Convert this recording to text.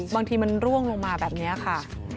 บางทีมันร่วงลงมาแบบนี้ค่ะ